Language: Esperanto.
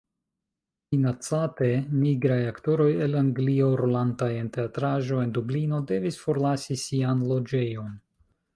Minacate, nigraj aktoroj el Anglio, rolantaj en teatraĵo en Dublino, devis forlasi sian loĝejon.